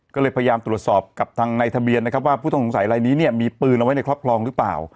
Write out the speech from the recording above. ก็เลยพยายามตรวจสอบกับทางในทะเบียนนะครับว่าผู้ต้องสงสัยลายนี้เนี่ยมีปืนเอาไว้ในครอบครองหรือเปล่า